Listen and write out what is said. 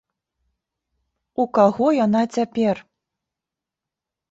У каго яна цяпер?